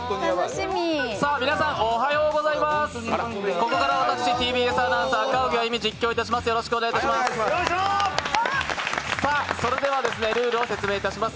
ここからは私、ＴＢＳアナウンサー・赤荻歩が実況します。